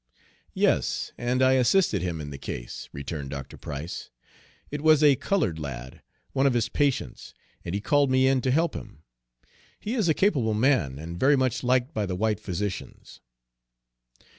"Yes, and I assisted him in the case," returned Dr. Price. "It was a colored lad, one of his patients, and he called me in to help him. He is a capable man, and very much liked by the white physicians."